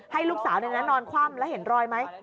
ให้ลูกสาวนอนคว่ำแล้วเห็นรอยไหม